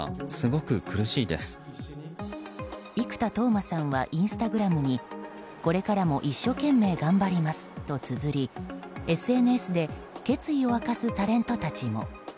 生田斗真さんはインスタグラムにこれからも一所懸命頑張りますとつづりＳＮＳで決意を明かすタレントたちも。